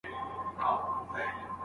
دوی د رښتينولۍ لاره غوره کړه.